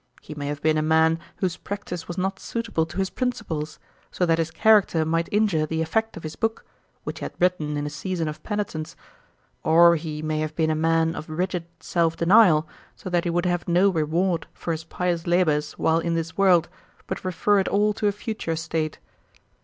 He may have been a man whose practice was not suitable to his principles, so that his character might injure the effect of his book, which he had written in a season of penitence. Or he may have been a man of rigid self denial, so that he would have no reward for his pious labours while in this world, but refer it all to a future state.'